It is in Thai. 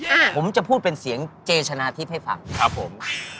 อ่าผมจะพูดเป็นเสียงเจชนะทิพย์ให้ฟังครับผม